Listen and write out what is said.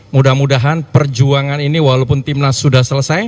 mudah mudahan perjuangan ini walaupun timnas sudah selesai